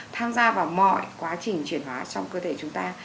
tham gia vào mọi quá trình chuyển hóa trong cơ thể chúng ta